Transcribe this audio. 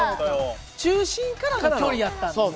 中心からの距離やったんですよね。